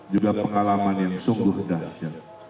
juga pengalaman yang sungguh dahsyat